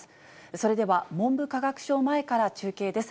それでは、文部科学省前から中継です。